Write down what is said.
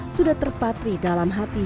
sudah terpatri dalam hati